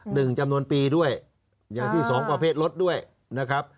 หนึ่งจำนวนปีด้วยอย่างที่สองประเภทลดด้วยนะครับ